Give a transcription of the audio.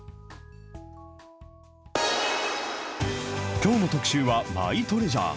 きょうの特集はマイトレジャー。